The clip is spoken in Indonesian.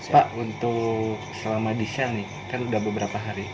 pak untuk selama di sel ini kan sudah beberapa hari